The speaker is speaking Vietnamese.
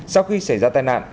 sau khi xảy ra tai nạn